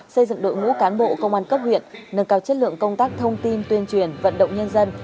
xây dựng đội ngũ cán bộ công an cấp huyện nâng cao chất lượng công tác thông tin tuyên truyền vận động nhân dân